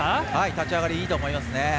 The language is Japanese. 立ち上がりいいと思います。